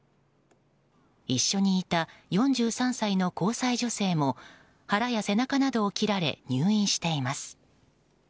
一緒にいた４３歳の交際女性も腹や背中などを切られ入院しています。